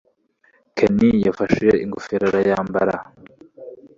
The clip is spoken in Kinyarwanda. kenny yafashe ingofero arayambara.